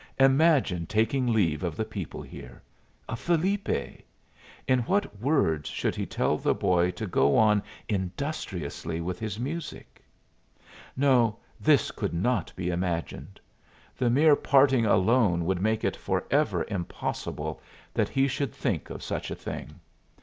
Imagine taking leave of the people here of Felipe! In what words should he tell the boy to go on industriously with his music? No, this could not be imagined. The mere parting alone would make it forever impossible that he should think of such a thing.